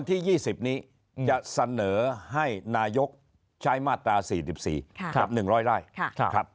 ที่๒๐นี้จะเสนอให้นายกใช้มาตรา๔๔กับ๑๐๐ไร่